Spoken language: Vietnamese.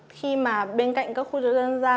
khi mà bên cạnh các khu trò chơi dân gian